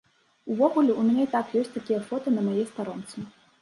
Увогуле, у мяне і так ёсць такія фота на маёй старонцы.